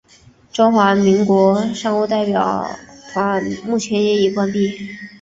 中华民国商务代表团目前也已关闭。